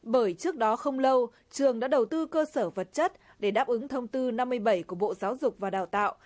bởi trước đó không lâu trường đã đầu tư cơ sở vật chất để đáp ứng thông tư năm mươi bảy của bộ giáo dục và đào tạo